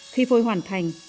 khi phôi hoàn thành